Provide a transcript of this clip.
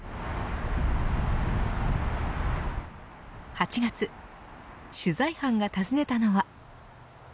８月、取材班が訪ねたのは。